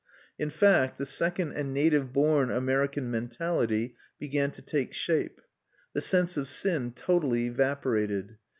In fact, the second and native born American mentality began to take shape. The sense of sin totally evaporated.